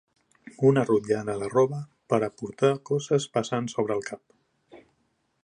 Una rotllana de roba per a portar coses pesants sobre el cap.